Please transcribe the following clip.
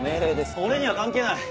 俺には関係ない。